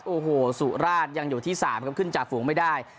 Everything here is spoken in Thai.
โอ้โหสุราชยังอยู่ที่๓ครับขึ้นจากฝูงไม่ได้